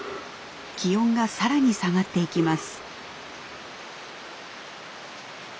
気温がさらに下がっていきます。